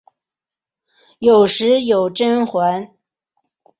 有时有蕈环。